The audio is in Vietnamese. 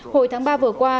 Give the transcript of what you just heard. hồi tháng ba vừa qua